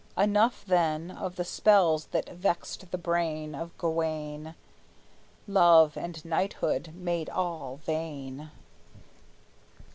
Enough, then, of the spells that vexed the brain Of Gawayne; love and knighthood made all vain.